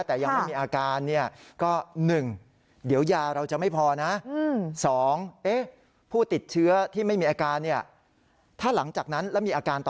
แต่ยังไม่มีอาการ